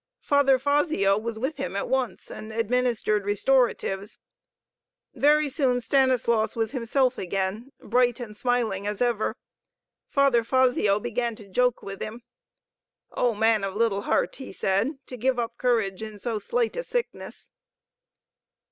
Father Fazio was with him at once and administered restoratives. Very soon Stanislaus was himself again, bright and smiling as ever. Father Fazio began to joke with him. "O man of little heart!" he said. "To give up courage in so slight a sickness!"